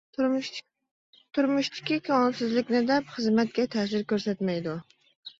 تۇرمۇشتىكى كۆڭۈلسىزلىكنى دەپ خىزمەتكە تەسىر كۆرسەتمەيدۇ.